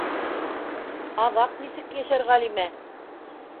Аҙаҡ нисек йәшәр Ғәлимә?